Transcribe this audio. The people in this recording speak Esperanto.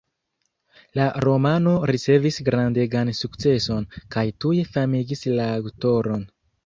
La romano ricevis grandegan sukceson, kaj tuj famigis la aŭtoron.